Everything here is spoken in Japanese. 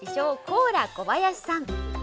コーラ小林さん。